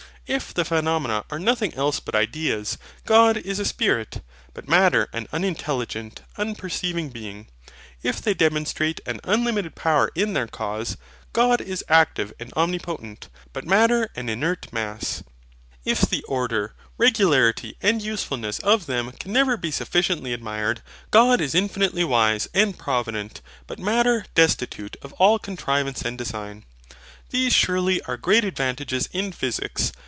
If the PHENOMENA are nothing else but IDEAS; God is a SPIRIT, but Matter an unintelligent, unperceiving being. If they demonstrate an unlimited power in their cause; God is active and omnipotent, but Matter an inert mass. If the order, regularity, and usefulness of them can never be sufficiently admired; God is infinitely wise and provident, but Matter destitute of all contrivance and design. These surely are great advantages in PHYSICS.